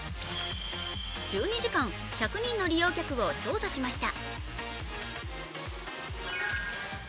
１２時間、１００人の利用客を調査しました。